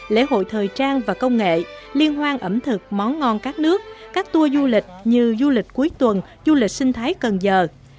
lễ hội thời trang và công nghệ liên hoan ẩm thực món ngon các nước các tour du lịch như du lịch cuối tuần du lịch sinh thái cần giờ